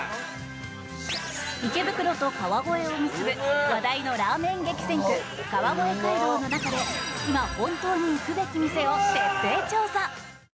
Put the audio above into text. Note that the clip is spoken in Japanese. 池袋と川越を結ぶ話題のラーメン激戦区川越街道の中で今、本当に行くべき店を徹底調査。